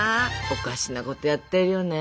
おかしなことやってるよね。